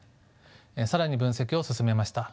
更に分析を進めました。